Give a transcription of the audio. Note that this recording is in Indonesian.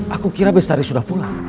aku kira bestari sudah pulang